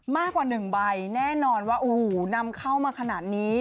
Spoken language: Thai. มากกว่า๑ใบแน่นอนว่าโอ้โหนำเข้ามาขนาดนี้